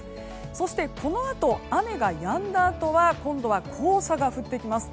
そしてこのあと雨がやんだあとは今度は黄砂が降ってきます。